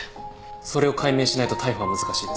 それを解明しないと逮捕は難しいです。